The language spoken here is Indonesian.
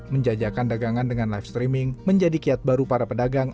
menjajakan dagangan dengan live streaming menjadi kiat baru para pedagang